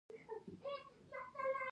یو شی په دې برخه کې په بشپړه توګه روښانه دی